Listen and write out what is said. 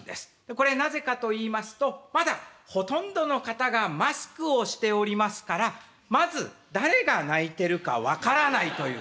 これなぜかと言いますとまだほとんどの方がマスクをしておりますからまず誰が鳴いてるか分からないという。